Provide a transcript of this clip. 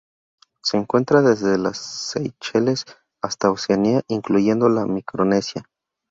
Se encuentra desde las Seychelles hasta Oceanía, incluyendo la Micronesia.